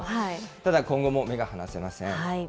ただ、今後も目が離せません。